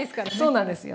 そうなんですよ。